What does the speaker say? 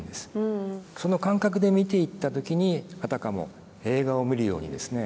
その感覚で見ていった時にあたかも映画を見るようにですね